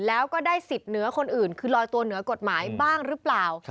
แล้วก็ได้สิทธิ์เหนือคนอื่นคือลอยตัวเหนือกฎหมายบ้างหรือเปล่า